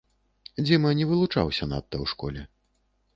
Дзіма не вылучаўся надта ў школе.